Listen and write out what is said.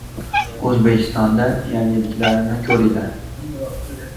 Gumon ayblanuvchiga xizmat qiladi.